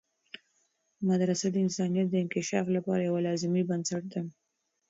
مدرسه د انسانیت د انکشاف لپاره یوه لازمي بنسټ ده.